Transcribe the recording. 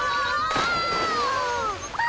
あ！